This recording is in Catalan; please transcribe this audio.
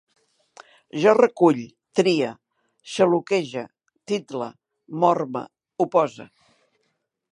Jo recull, trie, xaloquege, title, morme, opose